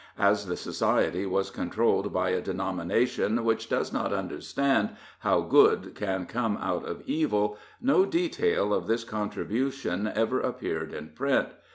As the society was controlled by a denomination which does not understand how good can come out of evil, no detail of this contribution ever appeared in print.